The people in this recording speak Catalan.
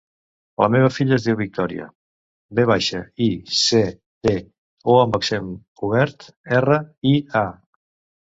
La meva filla es diu Victòria: ve baixa, i, ce, te, o amb accent obert, erra, i, a.